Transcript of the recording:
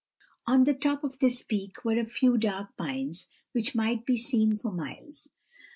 On the top of this peak were a few dark pines which might be seen for miles.